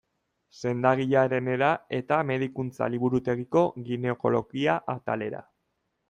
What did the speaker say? Sendagilearenera eta medikuntza-liburutegiko ginekologia atalera.